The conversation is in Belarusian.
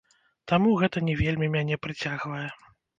Таму гэта не вельмі мяне прыцягвае.